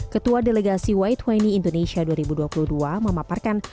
ketua delegasi y dua puluh indonesia dua ribu dua puluh dua memaparkan